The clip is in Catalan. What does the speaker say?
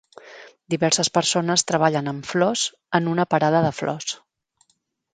Diverses persones treballen amb flors en una parada de flors.